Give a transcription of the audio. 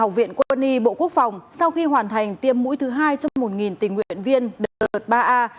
học viện quân y bộ quốc phòng sau khi hoàn thành tiêm mũi thứ hai trong một tình nguyện viên đợt ba a